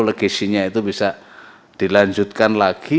legisinya itu bisa dilanjutkan lagi